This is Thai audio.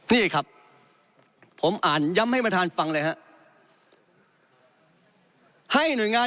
นี่ครับผมอ่านย้ำให้ประธานฟังเลยฮะให้หน่วยงาน